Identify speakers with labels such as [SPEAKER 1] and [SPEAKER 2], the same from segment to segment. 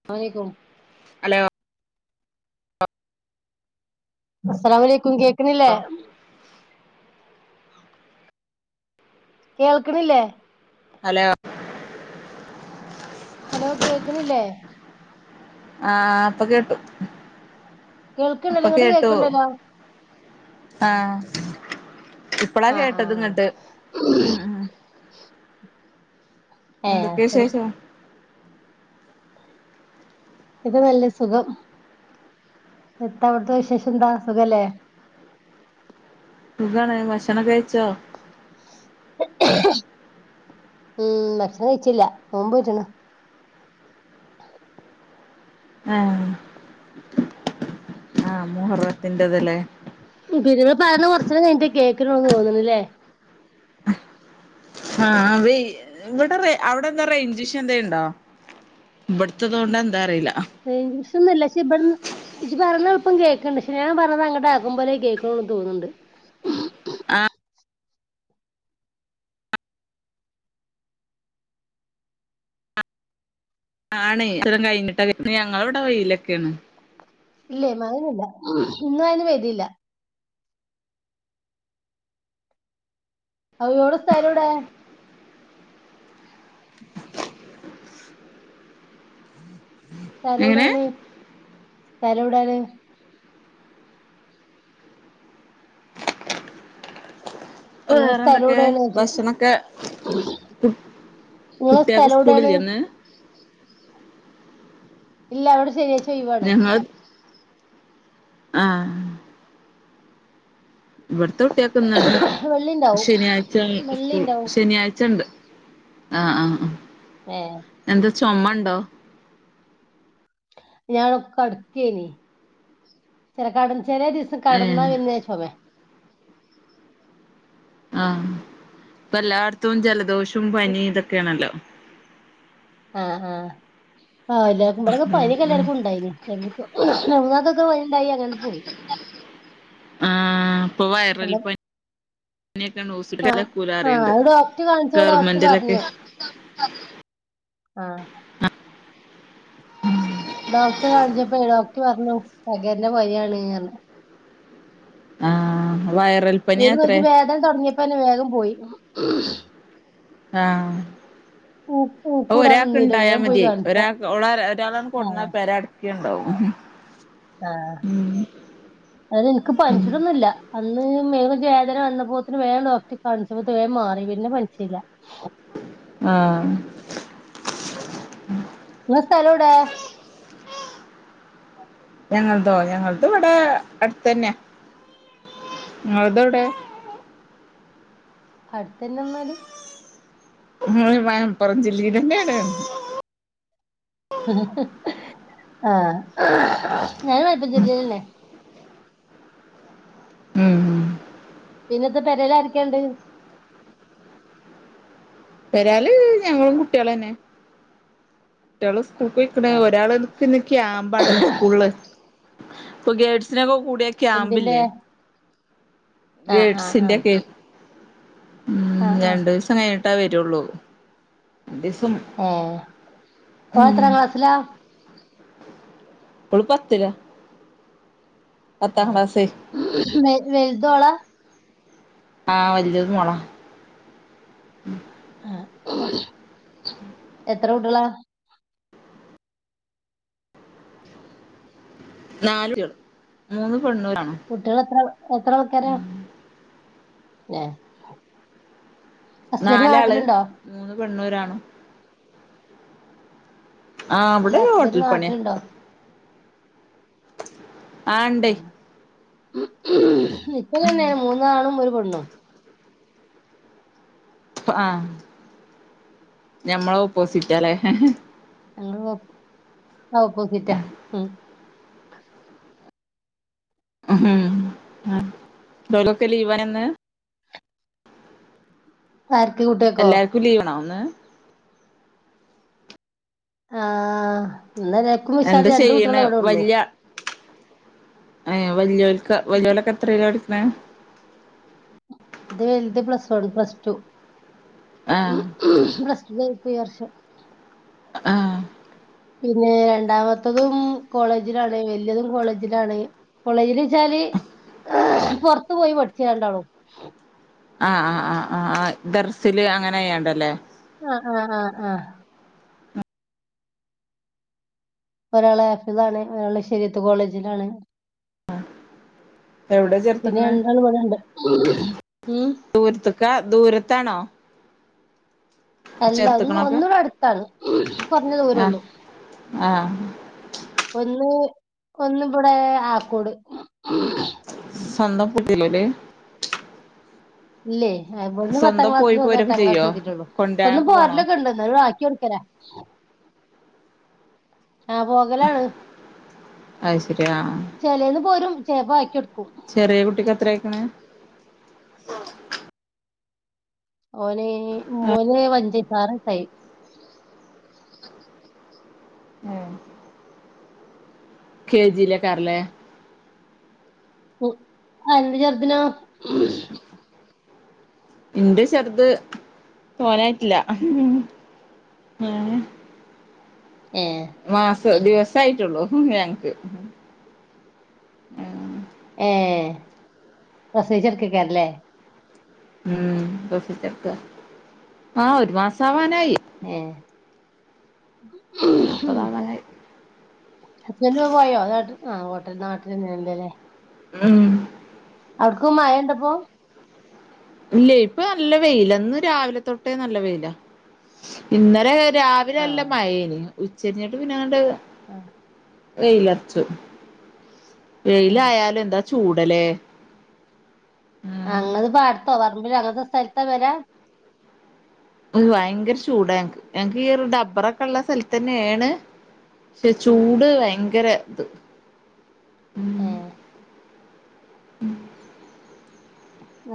[SPEAKER 1] അസ്സലാമു അലൈക്കും
[SPEAKER 2] ഹലോ
[SPEAKER 1] അസ്സലാമു അലൈക്കും കേക് നില്ലേ കേൾക്കണില്ലേ
[SPEAKER 2] ഹലോ
[SPEAKER 1] ഹലോ കേക്കണില്ലേ
[SPEAKER 2] ആ ഇപ്പൊ കേട്ടു ഇപ്പൊ
[SPEAKER 1] കേൾക്കണ്ടല്ലോങ്ങോട്ട്
[SPEAKER 2] കേട്ടു
[SPEAKER 1] കേൾക്കണ്ടല്ലോ
[SPEAKER 2] ആഹ് ഇപ്പളാ
[SPEAKER 1] ആ ആ
[SPEAKER 2] കേട്ടത്
[SPEAKER 1] ആ.
[SPEAKER 2] ഇങ്ങട്ട് ഉ ഉ
[SPEAKER 1] ഏ ആ,
[SPEAKER 2] എന്തൊക്കെയ
[SPEAKER 1] ശരി
[SPEAKER 2] വിശേഷം
[SPEAKER 1] ഇത് നല്ല സുഖം എത്ത അവിടത്തെ വിശേഷം എന്താ സുഖല്ലേ
[SPEAKER 2] സുഖണ് ഭഷണം കഴിച്ചോ
[SPEAKER 1] ഉം ഭക്ഷണം കഴിച്ചില്ല നെൻപ്നോറ്റ് ണ് [unintelligible]
[SPEAKER 2] ആ മൂഹർത്തിന്റെ ഇത്തിലെ
[SPEAKER 1] പിനേ ഇങ്ങള് പറയൂനത് കൊറച്ച രം കഴിട്ട് കേക്കണന്ന് തോന്നണില്ലേ
[SPEAKER 2] ആ ഇവിടെ അവിടെ എന്താ റേഞ്ചിഷയണ്ടോ ഇവിടുത്തത് കൊണ്ട് എന്താ അറിയില്ല
[SPEAKER 1] റേഞ്ച് ന്നുല്ല [unintelligible] ഇജ്ജ് പറഞ്ഞ ഇപ്പം കേൾക്ക്ണ്ട് പഷെ ഞാൻ പറഞ്ഞത് അങ്ങ്ട് ആക്കും പോലെ കേൾക്ക്ണൂന്ന് തോന്ന്ണ്ട്
[SPEAKER 2] ആണ് ഇത്തരം കഴിഞ്ഞിട്ടൊക്കെ ഞങ്ങൾടവിടെ വെയിലൊക്കെയാണ്
[SPEAKER 1] ഇല്ലേ [unintelligible] ഇന്നും അതിന് വരില്ല വിടെ സ്ഥലവിടെ
[SPEAKER 2] എങ്ങനെ
[SPEAKER 1] സ്ഥലോടാണ് സ്ഥലം എവിടാണ് നിങ്ങളെ
[SPEAKER 2] വേറെ
[SPEAKER 1] സ്ഥലം
[SPEAKER 2] എന്തൊക്കെ
[SPEAKER 1] എവിടെയാണ്
[SPEAKER 2] ഭക്ഷണൊക്കെ
[SPEAKER 1] നിങ്ങളെ
[SPEAKER 2] കുട്ടിയക്ക്
[SPEAKER 1] സ്ഥലം എവിടെയാണ്
[SPEAKER 2] സ്കൂളില്ലെന്ന്
[SPEAKER 1] ഇല്ല അവിടെ ശരിയാ ചെയ് വാണ്
[SPEAKER 2] ആ ഇവി തൊട്ടിയക്കുന്നുണ്ട്
[SPEAKER 1] വെള്ളി ഉണ്ടാവും
[SPEAKER 2] ശനിയാഴ്ച
[SPEAKER 1] വെള്ളി
[SPEAKER 2] സ്കൂൾ
[SPEAKER 1] ഉണ്ടാവും
[SPEAKER 2] ശനിയാഴ്ചണ്ട് ആഹ് ആ ആ
[SPEAKER 1] ഏ
[SPEAKER 2] എന്താ ചൊമണ്ടോ
[SPEAKER 1] ഞാൻ കടക്കേനി ചിലക്കട ചെല ദീസം കടന്നാ
[SPEAKER 2] ഏഹ്
[SPEAKER 1] വിന്നെച്ചൊമയാ
[SPEAKER 2] ആ ഇപ്പ എല്ലായിടത്തും ജലദോഷം റ്റും പനി ഇതൊക്കെയാണല്ലോ
[SPEAKER 1] ആ ആ ആ എല്ലാവർക്കും ഇടൊക്കെ
[SPEAKER 2] ഉം
[SPEAKER 1] പനിക്കെ
[SPEAKER 2] ഉം
[SPEAKER 1] എല്ലാർക്കും ഉണ്ടായിനി ക്കക്ക [unintelligible]
[SPEAKER 2] ആ ഇപ്പൊ
[SPEAKER 1] എല്ലാം
[SPEAKER 2] വൈറൽപ്പനീ നൊക്കെ
[SPEAKER 1] ആ
[SPEAKER 2] [unintelligible]
[SPEAKER 1] ആ
[SPEAKER 2] കൂലാറിയ്ണ്ട്
[SPEAKER 1] അത് ഡോക്ടർ കാണിച്ചപ്പോ ഡോക്ടർ
[SPEAKER 2] ഗവർമെന്റിലൊക്കെ
[SPEAKER 1] പറഞ്ഞു
[SPEAKER 2] ആ
[SPEAKER 1] ആ
[SPEAKER 2] ഉം
[SPEAKER 1] ഡോക്ടർ കാണിച്ചപ്പോ ഡോക്ടർ പറഞ്ഞു പകരുന്ന പനിയാണ്ന്ന്
[SPEAKER 2] ആ
[SPEAKER 1] പേര് കഴിഞ്ഞു വേദന തുടങ്ങിയപ്പോനെ വേഗം പോയി
[SPEAKER 2] ആ
[SPEAKER 1] ഊ-
[SPEAKER 2] അപ്പ
[SPEAKER 1] ഊക്കൂടാൻ
[SPEAKER 2] ഒരാൾക്ക്
[SPEAKER 1] നിന്നില്ല
[SPEAKER 2] ഇണ്ടായാ
[SPEAKER 1] വേഗം പോയി
[SPEAKER 2] മതിയേ
[SPEAKER 1] കാണിച്ച
[SPEAKER 2] ഒരാൾക്ക് ഒളാരാ ഒരാളാണ്
[SPEAKER 1] ആ
[SPEAKER 2] കൊട്ന്ന പെരാടക്കെണ്ടാവും മ്
[SPEAKER 1] ആഹ് അയ്ന് ഇൻക്ക് പനിച്ച്ണൊന്നുല്ല അന്ന് ഉം ദേഹം വേദന വന്നപ്പോത്തിന് വേഗം ഡോക്ടറി കാണിച്ചപ്പോത്ത് വേഗം മാറി പിന്നെ പനിച്ചീല്ല
[SPEAKER 2] ആ
[SPEAKER 1] നിങ്ങ സ്ഥലൗടേ
[SPEAKER 2] ഞങ്ങള്തോ ഞങ്ങളത് ഇവിടെ അടുത്തെന്നെ ഇങ്ങൾതൗടെ
[SPEAKER 1] അടുത്തന്നെന്നാല്
[SPEAKER 2] മലപ്പുറം ജില്ലീൽന്നെയാണ്
[SPEAKER 1] ആഹ് ഞാൻ മലപ്പുറജില്ലേല്ലെന്നെ
[SPEAKER 2] ഉം ഉം
[SPEAKER 1] പിന്നെ ഇത് പെരേല് ആരൊക്കെണ്ട്
[SPEAKER 2] പേരെല് ഞങ്ങളും കുട്ടികളെന്നെ കുട്ടികള് സ് കൂൾക്ക് പോയിക്ക്ണ്
[SPEAKER 1] ആ
[SPEAKER 2] ഒരാള് നിക്ക് ക്യാംമ്പാണ് സ്കൂളില് ഇപ്പൊ ഗേട്സിനെക്കൊ കൂടിയ ക്യാമ്പ്
[SPEAKER 1] എന്തിന്റെ
[SPEAKER 2] ല്ലേ
[SPEAKER 1] ആ ആ ആ
[SPEAKER 2] ഗേട്സിന്റെ ഒക്കെ ഉം
[SPEAKER 1] ആ ആ
[SPEAKER 2] രണ്ടു ദിവസം കഴിഞ്ഞി ട്ടാ വരുള്ളൂ രണ്ട് ദിവസം
[SPEAKER 1] ഏ ഓൻ
[SPEAKER 2] ഉം
[SPEAKER 1] എത്രാ ക്ലാസിലാ
[SPEAKER 2] ഓള് പത്തിലാ പത്താം ക്ലാസ്
[SPEAKER 1] വലുതോളാ
[SPEAKER 2] ആഹ് വല്യത് മോളാ
[SPEAKER 1] ആ എത്ര കുട്ടികളാ
[SPEAKER 2] നല് കുട്ടികളെ മൂന്ന് പെണ്ണും ഒരാണും
[SPEAKER 1] കുട്ടികൾ എത്ര എത്ര ആൾക്കാരാ
[SPEAKER 2] ഉം
[SPEAKER 1] ഏഹ്
[SPEAKER 2] നാലാള് മൂന്ന് പെണ്ണും ഒരാ ആഹ്
[SPEAKER 1] അല്ല
[SPEAKER 2] അവിടെ
[SPEAKER 1] ഹസ്ബൻഡ്
[SPEAKER 2] ഹോട്ടൽ പണിയാ
[SPEAKER 1] നാട്ടിലുണ്ടോ
[SPEAKER 2] ആ ഇണ്ടേ
[SPEAKER 1] നിക്കും തന്നെ മൂന്നാണും ഒരു പെണ്ണും
[SPEAKER 2] ആഹ് ഞമ്മള് ഓപ്പോസിറ്റാല്ലേ
[SPEAKER 1] ഞങ്ങള് ഓപ്പോ ഓപ്പോസിറ്റാ
[SPEAKER 2] ഒലോക്കെ ലീവാനിന്ന്
[SPEAKER 1] ആർക്ക് കുട്ടികക്കോ
[SPEAKER 2] ഇന്ന്
[SPEAKER 1] ആഹ് ഇന്ന്‌ എല്ലാർക്കും
[SPEAKER 2] എന്താ
[SPEAKER 1] മിശാലേ രണ്ടു
[SPEAKER 2] ചെയ്യണ്
[SPEAKER 1] കുട്ടികളെ ഇവിടെ ഉള്ളൂ.
[SPEAKER 2] വല്യ ഏ വലിയൊള്ക് ക്ക്
[SPEAKER 1] ഇത്
[SPEAKER 2] വലിയൊലൊക്കെ എത്ര യിലാ പഠി. [unintelligible]
[SPEAKER 1] ഇന്റെ വലുത് പ്ലസ് വൺ പ്ലസ് ടു.
[SPEAKER 2] ആഹ്
[SPEAKER 1] ഇപ്പ ഈ വർഷം.
[SPEAKER 2] ആഹ്.
[SPEAKER 1] പിന്നെ രണ്ടാമത്തതും കോളേജിലാണ് വലിയതും കോളേജിലാണ് കോളേജിൽ വെച്ചാല് പുറത്ത് പോയി പഠിച്ച ര ണ്ടാളും.
[SPEAKER 2] ആഹ് ആഹ് ആഹ് ആഹ് ആ. ഡ്രാറാസിലു അങ്ങനെ ചെയ്യാറുണ്ട് അല്ലേ
[SPEAKER 1] ആഹ് ആഹ് ആഹ് ആഹ്. ഒരാളെ ആഫിദ് ആണ് ഒരാള് ഷേ രിയത്ത് കോളേജിലാണ്.
[SPEAKER 2] എവിടെ
[SPEAKER 1] പിന്നെ
[SPEAKER 2] ചേർത്ത്ക്കണേ
[SPEAKER 1] രണ്ടാള് ഇവിടെ ഉണ്ട് ഉം
[SPEAKER 2] ദൂരത്ത്ക്കാ ദൂരത്താണോ?
[SPEAKER 1] അല്ല ഒന്ന്
[SPEAKER 2] ചേർത്തക്കണൊക്കെ
[SPEAKER 1] ഒന്നുവിടെ അടുത്താണ് കുറഞ്ഞ
[SPEAKER 2] ആഹ്
[SPEAKER 1] ദൂരോള്ളൂ
[SPEAKER 2] ആഹ്
[SPEAKER 1] ഒന്ന് ഒന്ന്‌ ഇവിടെ ആക്കോട്.
[SPEAKER 2] സ്വന്തം കുട്ടിയല്ലേ അത്
[SPEAKER 1] ഇല്ലേ ഹ് ഒന്ന് പത്താം ക്ലാസിലും ഒന്ന്
[SPEAKER 2] പോരൊക്കെ
[SPEAKER 1] എട്ടാം ക്ലസ്
[SPEAKER 2] ചെയ്യോ
[SPEAKER 1] എത്തിട്ടുള്ളൂ സ്വന്തം
[SPEAKER 2] കൊണ്ടരാനൊക്കെ പോണോ
[SPEAKER 1] പ്പോരല് ഒക്കെ ഉണ്ട് എന്നാലും ചുടുക്കാനെ. ആഹ് പോകലാണ്
[SPEAKER 2] അത് ശരി ആഹ്
[SPEAKER 1] ചേലെന്ന് പോരും. [unintelligible]
[SPEAKER 2] ചെറിയ കുട്ടിക്ക് എത്രയായിക്ക്ണ്. [inaudible]
[SPEAKER 1] ഓന് ആറുവയസായി.
[SPEAKER 2] ഏഹ് കെ ജിയിലേക്കാറല്ലേ?
[SPEAKER 1] ഉം അന്റെ ചെറുതിനോ
[SPEAKER 2] എന്റെ ചെറുത് തോനായിട്ടില്ല
[SPEAKER 1] ഏ
[SPEAKER 2] മാസം ദിവസായിട്ടുള്ളൂ ഞങ്ങക്ക് ആ
[SPEAKER 1] ഏ പ്രസവിച്ചു കിടക്കുവാണല്ലേ
[SPEAKER 2] ഉം പ്രസവിച്ച് കിടക്കാ ആഹ ഒരു മാസം ആവാൻ
[SPEAKER 1] ഏ
[SPEAKER 2] നാപ്പതാവാനായി
[SPEAKER 1] ചെല്ലുവാ പോയോ നാട്ടി ആ പോട്ടെ നാട്ടിൽ അന്നെയാല്ലേ
[SPEAKER 2] ഉം
[SPEAKER 1] അവിടക്ക് മഴ ഇണ്ടപ്പോ
[SPEAKER 2] ഇല്ല ഇപ്പൊ നല്ല വെയിലാ ഇന്ന് രാവിലെ തൊട്ടേ നല്ല വെയിലാ ഇന്നലെ രാവിലെ
[SPEAKER 1] ആ
[SPEAKER 2] നല്ല മഴേയേനി ഉച്ചരിഞ്ഞിട്ട് പിന്നെ അങ്ങണ്ട്
[SPEAKER 1] ആ
[SPEAKER 2] വെയിലടിച്ചു
[SPEAKER 1] ഏ
[SPEAKER 2] വെയിലായാലും എന്താ ചൂടല്ലേ ഉം
[SPEAKER 1] അങ്ങത് പാടത്തോ പറമ്പിലോ അങ്ങനത്തെ സ്ഥലത്താ വരാ
[SPEAKER 2] ഭയങ്കര ചൂടാ ഞങ്ങക്ക് ഈ ഒരു ഡബറൊക്കെയുള്ള സ്ഥലത്തന്നെയാണ് പക്ഷെ
[SPEAKER 1] ഉം
[SPEAKER 2] ചൂട് ഭയങ്കര ഉം
[SPEAKER 1] ഏ
[SPEAKER 2] ഉം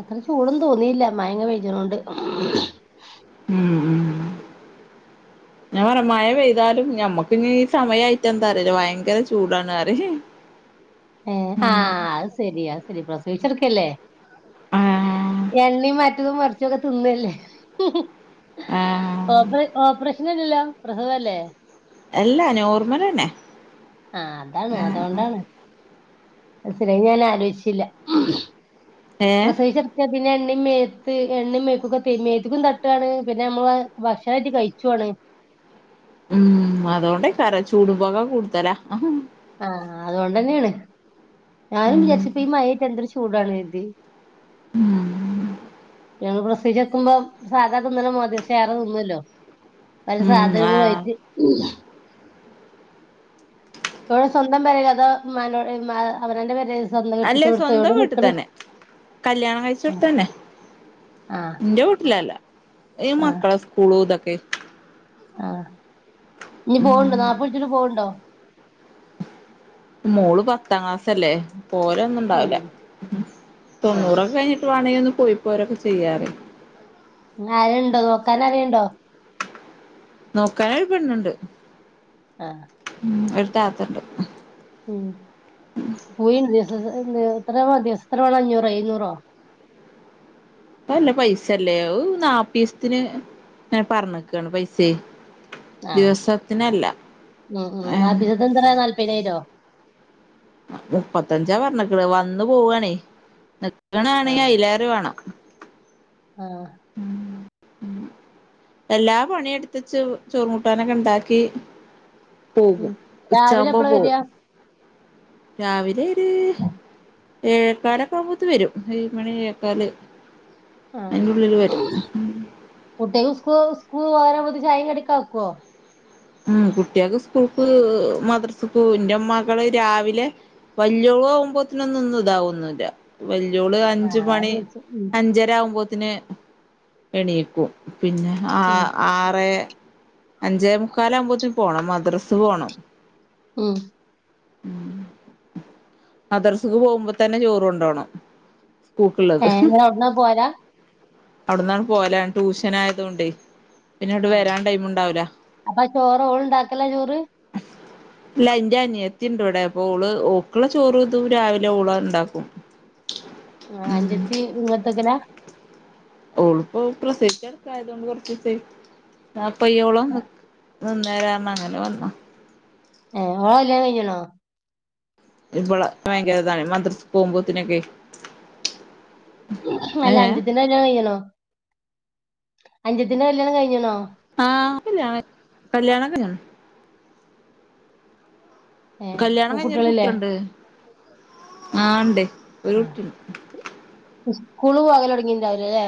[SPEAKER 1] അത്ര ചൂടൊന്നും തോന്നിയില്ല മഴയിങ്ങനെ പെയ്യിണോണ്ട്
[SPEAKER 2] ഉം ഉം ഞാൻ പറയ മഴ പെയ്താലും ഞമ്മക്ക് ഈ സമയായിട്ട് എന്താറിയില്ല ഭയങ്കര ചൂടാണ് അറിയ്
[SPEAKER 1] ഏ ആ അത് ശരി ശരി പ്രസവിച്ച് കിടക്കല്ലേ
[SPEAKER 2] ആഹ്
[SPEAKER 1] എണ്ണയും മ മറ്റതും മറിച്ചൊതൊക്കെ തിന്നല്ലേ
[SPEAKER 2] ആഹ്
[SPEAKER 1] ഓപ്പ ഓപ്പറേഷൻ അല്ലല്ലോ പ്രസവല്ലേ
[SPEAKER 2] എല്ലാ നോർമലന്നെ
[SPEAKER 1] ആ അതാണ് അതുകൊണ്ടാണ് [unintelligible] ഞാൻ ആലോചിച്ചില്ല
[SPEAKER 2] ഏ
[SPEAKER 1] പ്രസവിച്ചാ പിന്നെ അതിനെൻ എണ്ണ മേത്ത് എണ്ണയും മേപ്പൊക്കെ തേ മേത്തക്കും തട്ടുവാണ് പിന്നെ നമ്മള് ഭക്ഷണമായിട്ട് കഴിക്കുവാണ്
[SPEAKER 2] ഉം അതുകൊണ്ടേ കാര ചൂടുപൊക കൂടുതലാ
[SPEAKER 1] ഹാ അതൊണ്ടെന്നെയാണ് ഞാനും വിചാരിച്ച് ഇപ്പം ഈ മഴയൊക്കെ എന്തൊരു ചൂടാണ് ഉം
[SPEAKER 2] ഉം
[SPEAKER 1] ഞങ്ങള് പ്രസവിച്ച് കെടക്കുമ്പോ സാധാ തിന്നല് ഒന്നും അല്ലല്ലോ കുറച്ച് ഏതെ തിന്നുമല്ലോ പല
[SPEAKER 2] ഉം
[SPEAKER 1] സാധനങ്ങളും
[SPEAKER 2] ആഹ്
[SPEAKER 1] ആയിട്ട് ങ്ങളെ സ്വന്തം പെരെ അതോ ഇമ്മാനോട് ഇമ അവനോന്റെ പെരെ
[SPEAKER 2] അല്ലെ സ്വന്തവീട്ടിൽ തന്നെ കല്യാണം കഴിച്ച് കൊടുത്തന്നെ
[SPEAKER 1] ആഹ്
[SPEAKER 2] ന്റെ വീട്ടില് അല്ല ഈ
[SPEAKER 1] ആഹ്
[SPEAKER 2] മക്കളെ സ്കൂളൂ ഇത [unintelligible]
[SPEAKER 1] ആഹ് ഇനി പോവുണ്ടോ നാപ്പത് വിളിച്ചിട്ട് പോവുണ്ടോ?
[SPEAKER 2] മോള് പത്താം ക്ലാസ്സല്ലേ? പോവല്
[SPEAKER 1] ഉം
[SPEAKER 2] ഒന്നുണ്ടാവിലാ
[SPEAKER 1] ആഹ്
[SPEAKER 2] തൊണ്ണൂറൊക്കെ കയിഞ്ഞിട്ട് വാണെങ്കി ഒന്ന് പോയി പോരൊക്കെ ചെയ്യാലേ
[SPEAKER 1] ആരെണ്ടോ നോക്കാനാരെണ്ടോ?
[SPEAKER 2] നോക്കാൻ ഒരു പെണ്ണിണ്ട്
[SPEAKER 1] ആഹ്
[SPEAKER 2] ഒരു താത്ത ഇണ്ട്
[SPEAKER 1] ഉം [unintelligible] [unintelligible] ഇത്ര മതിയോ എത്ര വേണം അഞ്ഞൂറോ എഴുന്നൂറോ?
[SPEAKER 2] പ്പം നല്ല പൈസല്ലേ ഏഹ് നാപ്പിസത്തിന് ഏഹ് പറഞ്ഞിക്ക്ണ് പൈസേ
[SPEAKER 1] ആ
[SPEAKER 2] ദിവസത്തിനല്ല
[SPEAKER 1] ഉം ഉം
[SPEAKER 2] ഏഹ്
[SPEAKER 1] [unintelligible] എന്തിരാ നാല്പയിനായിരോ?
[SPEAKER 2] മുപ്പത്തഞ്ചാ പറഞ്ഞേക്ക്‌ണ് വന്ന് പോവാണേ [unintelligible] [unintelligible] ആണെങ്ങെ
[SPEAKER 1] ആഹ്
[SPEAKER 2] അയിലേറെ വേണം
[SPEAKER 1] ആഹ്
[SPEAKER 2] ഉം എല്ലാ പണി എടുത്തുവെച്ചു ചോറുകൂട്ടാനൊക്കെ ഇണ്ടാക്കി
[SPEAKER 1] ഉം രാവിലെ എപ്പളാ വരാ
[SPEAKER 2] രാവിലൊര് ഏഴെകാല് ഒക്കെ ആവുമ്പോത്ത് വരും ഏഴുമണി ഏഴേകാല്
[SPEAKER 1] ആഹ്
[SPEAKER 2] വരും
[SPEAKER 1] സ്കൂൾ [unintelligible] ത്തേക്കും ചായയും കടിയും ആക്കോ
[SPEAKER 2] ഉം കുട്ടിയാക്ക് സ്കൂൾപ്പ്‌ മദ്രസക്ക്‌ പോവും ന്റെ മകള് രാവിലെ വല്ല്യോള് ആവുമ്പോത്തേനും യൊന്ന് ഇതാവു ഒന്നുല്ല്യ വല്യോള്
[SPEAKER 1] ആഹ് അതാ
[SPEAKER 2] അഞ്ചുമണി
[SPEAKER 1] ചോയിച്ചെ ഉം
[SPEAKER 2] അഞ്ചരആവുമ്പോത്തിന് എണീക്കും പിന്നെ ആ
[SPEAKER 1] ഉം
[SPEAKER 2] ആറേ അഞ്ചേ മു ക്കാല ആകുമ്പോത്തിന് പോണം മദ്രസ് പോണം
[SPEAKER 1] ഉം
[SPEAKER 2] മദ്രസ് ക്ക് പോകുമ്പോ തന്നെ ചോറ്ണ്ടോണം
[SPEAKER 1] [unintelligible] പോരാ
[SPEAKER 2] അവിട്ന്നാണ് പോവല ട്യൂഷന് ആയതോണ്ട്
[SPEAKER 1] ആ അപ്പൊ ചോറ് ഓള്ണ്ടാക്കലാ ചോറ്
[SPEAKER 2] ല്ല ഇന്റെ അനിയ ത്തിണ്ട് വിടെ അപ്പൊ ഓള് ഓക്കള്ളചോറ് ഇതും രാവിലെ ഒളാണ്ട്ക്കും
[SPEAKER 1] ആ അഞ്ചത്തി ഇങ്ങത്തക്കര
[SPEAKER 2] ഓള് പ്പോ പ്രസവിച്ച് കടക്കായതോണ്ട് കൊറച്ചീസേ നാ പ്പയോള് നിക്ക് നിന്നരാ അങ്ങനെ വന്ന
[SPEAKER 1] ഏ ഓള കല്യാണം കഴിഞ്ഞാണോ
[SPEAKER 2] ഇപള ഭയങ്കരതാണ് മദ്രസ് പോകുമ്പോത്തിനൊക്കെ
[SPEAKER 1] അല്ല അഞ്ചത്തിന്റെ കല്യാണം കയിഞ്ഞാണോ അഞ്ചത്തിന്റെ കല്യാണം കഴിഞ്ഞണോ
[SPEAKER 2] ആ കല്യാണ കല്യാണം കയിഞ്ഞ്ണ്
[SPEAKER 1] ഏ
[SPEAKER 2] കല്യാണം കഴിഞ്ഞൊരു
[SPEAKER 1] കുട്ടികളില്ലേ
[SPEAKER 2] കുട്ടിയുണ്ട് ആ ണ്ട് ഒരു കുട്ടിണ്ട്
[SPEAKER 1] സ്കൂള്‌ പോകല് തൊടങ്ങിണ്ടാവൂലലേ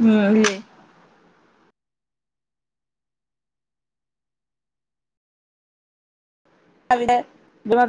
[SPEAKER 2] ഉം ഇല്ലേ അവിടെ [unintelligible]